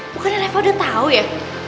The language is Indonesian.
bukannya reva udah tau ya